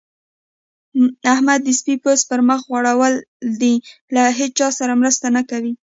احمد د سپي پوست پر مخ غوړول دی؛ له هيچا سره مرسته نه کوي.